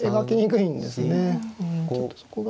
うんちょっとそこが。